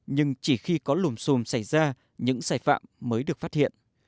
nhưng chỉ khi có lùm xùm xảy ra những sai phạm mới được phát hiện